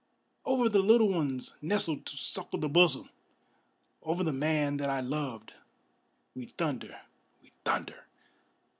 Over the little ones nestled to suckle the bosom, Over the man that I loved, we thunder, we thunder!